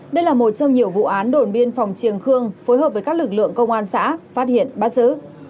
đây là một trong nhiều vụ án đồn biên phòng triềng khương phối hợp với các lực lượng công an xã phát hiện bắt giữ